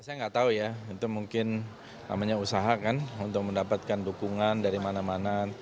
saya nggak tahu ya itu mungkin namanya usaha kan untuk mendapatkan dukungan dari mana mana